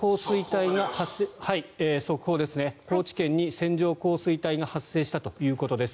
今、高知県に線状降水帯が発生したということです。